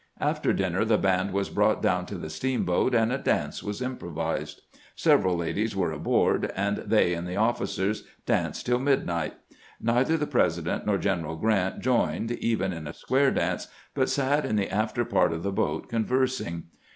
After dinner the band was brought down to the steamboat, and a dance was improvised. Several ladies were aboard, and they and the officers danced till mid 416 CAMPAIGNING WITH GEANT night. Neither the President nor General Grant joined, even in a square dance, but sat in the after part of the boat conversing.